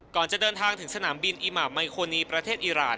จะเดินทางถึงสนามบินอีหมาไมโคนีประเทศอิราณ